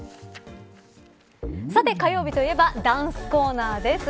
さて火曜日といえばダンスコーナーです。